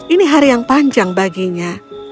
ini hari yang panjang baginya